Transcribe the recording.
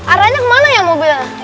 arahnya kemana ya mobil